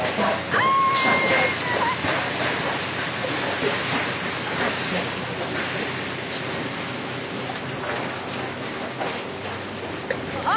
ああ！